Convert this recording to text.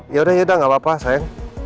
yaudah yaudah gak apa apa sayang